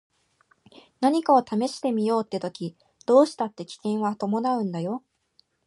何かを試してみようって時どうしたって危険は伴うんだよ。